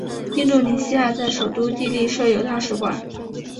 印度尼西亚在首都帝力设有大使馆。